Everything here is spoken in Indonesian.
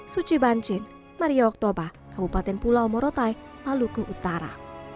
suci bancin maria oktober kabupaten pulau morotai maluku utara